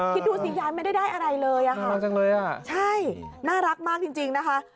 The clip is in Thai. คิดดูสิยายไม่ได้ได้อะไรเลยอะค่ะใช่น่ารักมากจริงจริงนะคะ